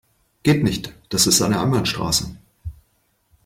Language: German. Geht nicht, das ist eine Einbahnstraße.